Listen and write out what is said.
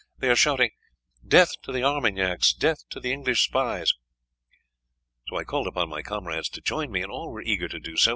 They are shouting, 'Death to the Armagnacs! Death to the English spies!' "I called upon my comrades to join me, and all were eager to do so.